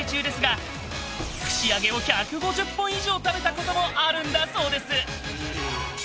アｇ以前、串揚げを１００本以上食べたこともあるんだそうです。